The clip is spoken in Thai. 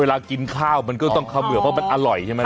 เวลากินข้าวมันก็ต้องเขมือบเพราะมันอร่อยใช่ไหม